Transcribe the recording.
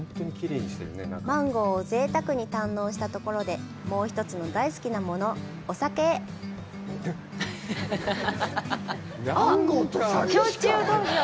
マンゴーをぜいたくに堪能したところで、もう一つの大好きなもの、お酒へあっ、焼酎道場。